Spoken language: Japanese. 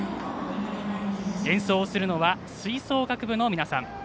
演奏するのは吹奏楽部の皆さん。